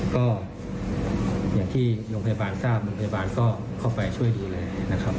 ก็อย่างที่โรงพยาบาลทราบโรงพยาบาลก็เข้าไปช่วยดูแลนะครับ